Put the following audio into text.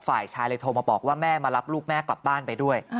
ฝ่ายชายเลยโทรมาบอกว่าแม่มารับลูกแม่กลับบ้านไปด้วย